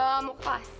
eh mau kelas